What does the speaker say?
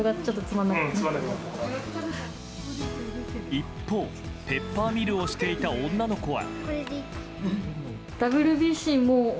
一方、ペッパーミルをしていた女の子は。